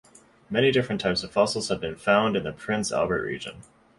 Many different types of fossils have been found in the Prince Albert region.